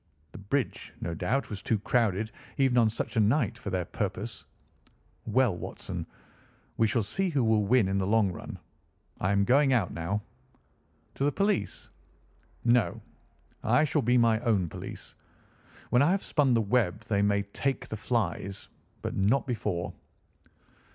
The bridge, no doubt, was too crowded, even on such a night, for their purpose. Well, Watson, we shall see who will win in the long run. I am going out now!" "To the police?" "No; I shall be my own police. When I have spun the web they may take the flies, but not before."